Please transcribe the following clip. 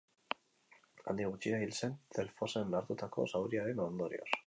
Handik gutxira hil zen Delfosen hartutako zauriaren ondorioz.